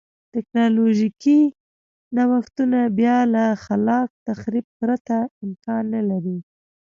ټکنالوژیکي نوښتونه بیا له خلاق تخریب پرته امکان نه لري.